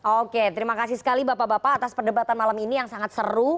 oke terima kasih sekali bapak bapak atas perdebatan malam ini yang sangat seru